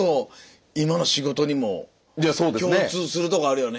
共通するとこあるよね。